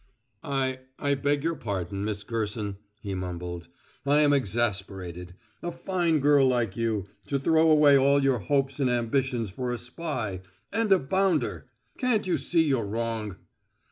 "I I beg your pardon, Miss Gerson," he mumbled. "I am exasperated. A fine girl like you to throw away all your hopes and ambitions for a spy and a bounder! Can't you see you're wrong?"